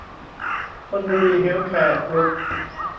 ธนบุรี เฮลท์แคร์ กรุ๊ป